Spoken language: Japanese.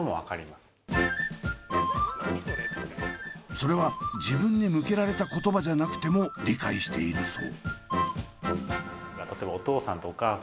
それは自分に向けられた言葉じゃなくても理解しているそう。